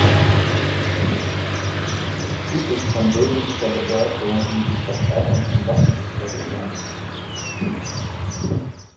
Dies ist von wesentlicher Bedeutung, um die Verbreitung von Waffen zu verhindern.